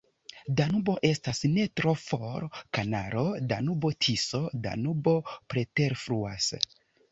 Danubo estas ne tro for, kanalo Danubo-Tiso-Danubo preterfluas.